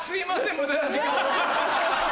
無駄な時間を。